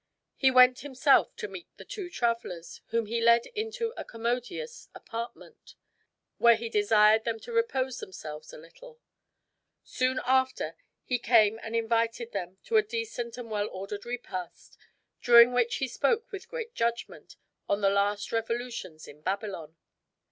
He went himself to meet the two travelers, whom he led into a commodious apartment, where he desired them to repose themselves a little. Soon after he came and invited them to a decent and well ordered repast during which he spoke with great judgment of the last revolutions in Babylon.